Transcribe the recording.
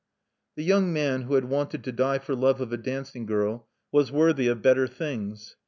The young man who had wanted to die for love of a dancing girl was worthy of better things.